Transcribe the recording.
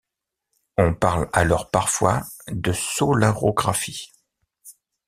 On parle alors parfois de solarographie.